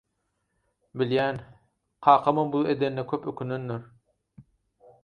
Bilýän kakamam bu edenine köp ökünendir.